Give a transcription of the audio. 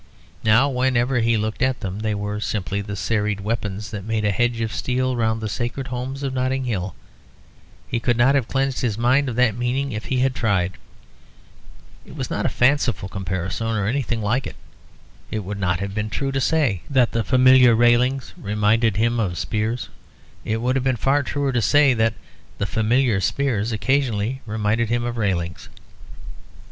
Now, whenever he looked at them, they were simply the serried weapons that made a hedge of steel round the sacred homes of Notting Hill. He could not have cleansed his mind of that meaning even if he tried. It was not a fanciful comparison, or anything like it. It would not have been true to say that the familiar railings reminded him of spears; it would have been far truer to say that the familiar spears occasionally reminded him of railings.